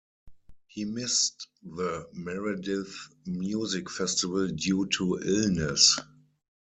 He missed the Meredith Music Festival due to illness.